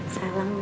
salam buat elsa